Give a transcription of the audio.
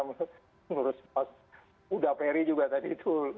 menurut uda peri juga tadi itu